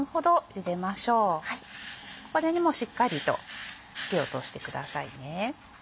これにもしっかりと火を通してください。